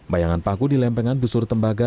bayangan paku di lempengan busur tembaga